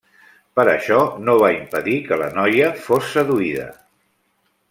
Però això no va impedir que la noia fos seduïda.